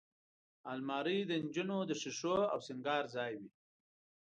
الماري د نجونو د شیشو او سینګار ځای وي